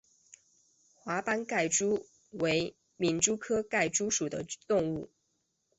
华斑盖蛛为皿蛛科盖蛛属的动物。